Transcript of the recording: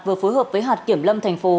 vừa phối hợp với hạt kiểm lâm thành phố